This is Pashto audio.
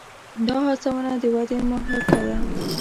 دا هڅونه د ودې محرکه ده.